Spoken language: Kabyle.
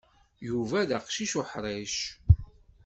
Yuba d aqcic uḥṛic.